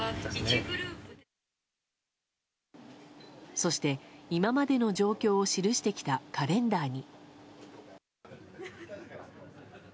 そして今までの状況を記してきたカレンダーに。